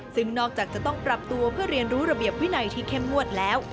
ซึ่งนอกจากจะต้องปรับตัวเพื่อเรียนรู้ระเบียบวินัยที่เข้มงวดแล้ว